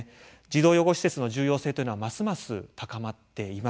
児童養護施設の重要性というのはますます高まっています。